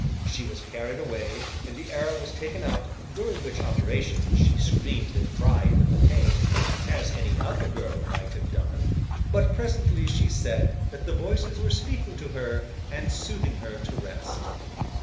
She was carried away and the arrow was taken out, during which operation she screamed and cried with the pain, as any other girl might have done; but presently she said that the Voices were speaking to her and soothing her to rest.